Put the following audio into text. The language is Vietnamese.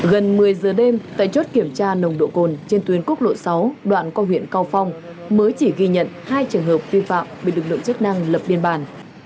gần một mươi giờ đêm tại chốt kiểm tra nồng độ cồn trên tuyến quốc lộ sáu đoạn qua huyện cao phong mới chỉ ghi nhận hai trường hợp vi phạm bị lực lượng chức năng lập biên bản